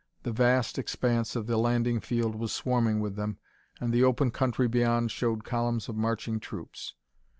The vast expanse of the landing field was swarming with them, and the open country beyond showed columns of marching troops.